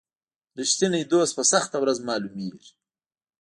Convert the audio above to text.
رښتینی دوست په سخته ورځ معلومیږي.